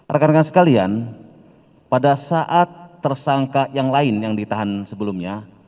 rekan rekan sekalian pada saat tersangka yang lain yang ditahan sebelumnya